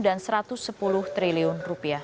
dan rp satu ratus sepuluh triliun